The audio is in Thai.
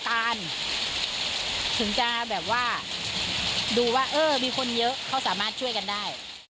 ถึงจะแบบว่าดูว่าเออมีคนเยอะเขาสามารถช่วยกันได้